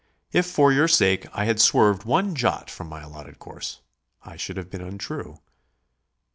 If for your sake I had swerved one jot from my allotted course, I should have been untrue.